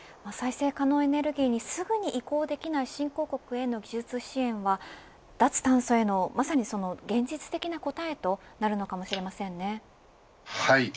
再生可能エネルギーにすぐに移行できない新興国への技術支援は脱炭素へのまさに現実的な答えとなるのかもしれませんね。